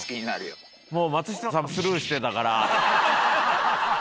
もう松下さんもスルーしてたから。